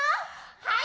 はい！